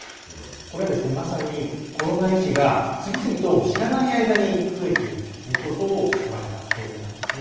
これは、まさにコロナ遺児が次々と知らないうちに増えているということを捉えた表現なんですね。